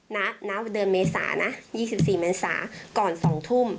ณเดือนเมษานะ๒๔เมษาก่อน๒ทุ่ม